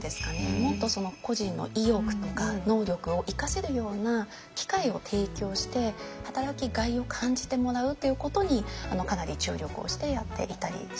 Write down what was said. もっとその個人の意欲とか能力を生かせるような機会を提供して働きがいを感じてもらうということにかなり注力をしてやっていたりしますね。